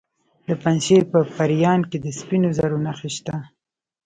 د پنجشیر په پریان کې د سپینو زرو نښې شته.